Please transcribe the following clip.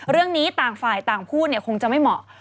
เรื่องนี้ต่างฝ่ายต่างพูดคงจะไม่เหมาะ